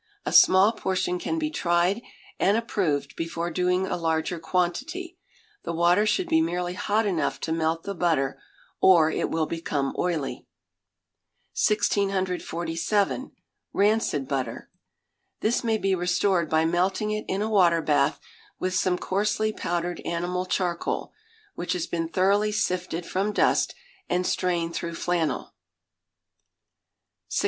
A small portion can be tried and approved before doing a larger quantity. The water should be merely hot enough to melt the butter, or it will become oily. 1647. Rancid Butter. This may be restored by melting it in a water bath, with some coarsely powdered animal charcoal, which has been thoroughly sifted from dust, and strained through flannel. 1648.